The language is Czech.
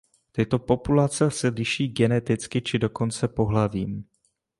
Tyto populace se liší geneticky či dokonce pohlavím.